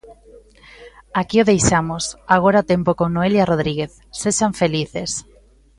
Aquí o deixamos, agora o tempo con Noelia Rodríguez, sexan felices.